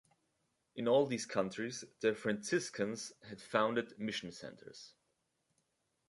In all these countries the Franciscans had founded mission centers.